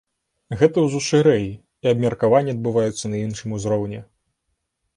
Гэта ўжо шырэй і абмеркаванні адбываюцца на іншым узроўні.